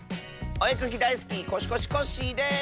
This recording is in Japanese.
おえかきだいすきコシコシコッシーです！